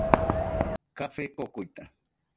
Café kokuita.